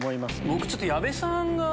僕ちょっと矢部さんが。